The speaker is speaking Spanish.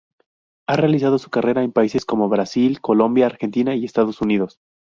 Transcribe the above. Ha realizado su carrera en países como Brasil, Colombia, Argentina y Estados Unidos.